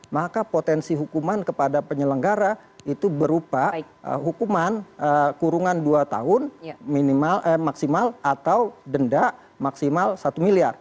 maka potensi hukuman kepada penyelenggara itu berupa hukuman kurungan dua tahun maksimal atau denda maksimal satu miliar